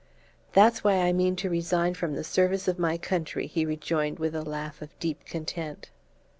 "That's why I mean to resign from the service of my country," he rejoined with a laugh of deep content.